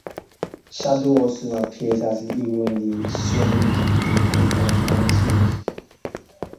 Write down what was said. Shadow also appears as a hero in the "Sonic the Hedgehog" comic series.